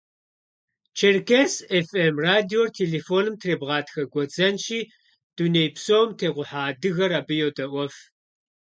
«Черкес ФМ» радиор телефоным требгъатхэ гуэдзэнщи, дуней псом текъухьа адыгэр абы йодэIуэф.